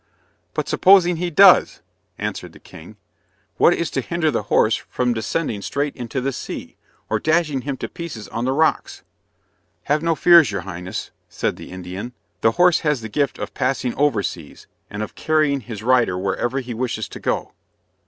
"But supposing he does!" answered the king, "what is to hinder the horse from descending straight into the sea, or dashing him to pieces on the rocks?" "Have no fears, your Highness," said the Indian; "the horse has the gift of passing over seas, and of carrying his rider wherever he wishes to go."